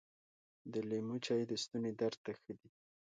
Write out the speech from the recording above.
د لیمو چای د ستوني درد ته ښه دي .